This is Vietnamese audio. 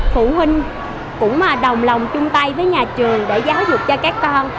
phụ huynh cũng đồng lòng chung tay với nhà trường để giáo dục cho các con